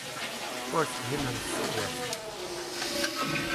Ur tefhimemt tigert!